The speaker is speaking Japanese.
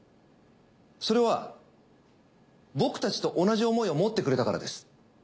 それは僕たちと同じ思いを持ってくれたからです。